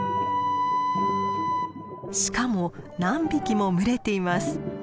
しかも何匹も群れています。